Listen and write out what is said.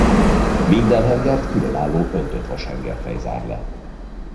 Minden hengert különálló öntöttvas hengerfej zár le.